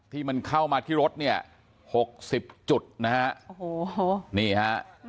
ที่มันเข้ามาที่รถเนี่ย๖๐จุดนะฮะ